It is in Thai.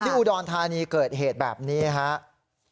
อุดรธานีเกิดเหตุแบบนี้ครับ